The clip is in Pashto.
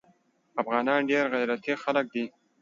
افغانان ډیر غیرتي خلک دي